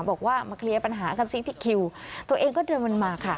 บอกว่ามาเคลียร์ปัญหากันซิที่คิวตัวเองก็เดินมันมาค่ะ